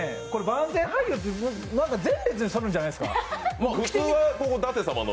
番宣俳優って、前列に座るんじゃないですか？！